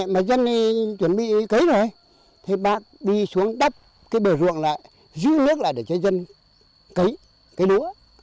mà dân chuẩn bị cấy rồi thì bác đi xuống đắp cái bờ ruộng lại giữ nước lại để cho dân cấy cấy đũa